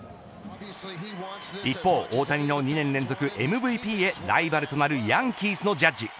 一方、大谷の２年連続ＭＶＰでライバルとなるヤンキースのジャッジ。